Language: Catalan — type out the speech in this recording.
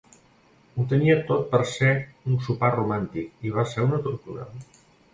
Ho tenia tot per ser un sopar romàntic i va ser una tortura.